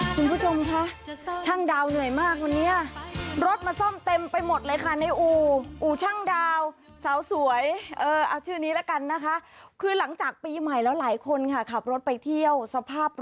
คุณผู้ชมคะช่างดาวเหนื่อยมากวันนี้รถมาซ่อมเต็มไปหมดเลยค่ะในอู่อู่ช่างดาวสาวสวยเออเอาชื่อนี้แล้วกันนะคะคือหลังจากปีใหม่แล้วหลายคนค่ะขับรถไปเที่ยวสภาพ